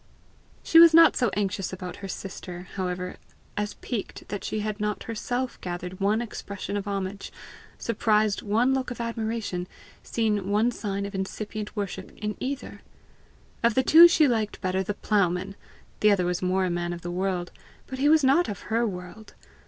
She was not so anxious about her sister, however, as piqued that she had not herself gathered one expression of homage, surprised one look of admiration, seen one sign of incipient worship in either. Of the two she liked better the ploughman! The other was more a man of the world but he was not of her world!